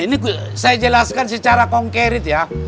ini saya jelaskan secara konkret ya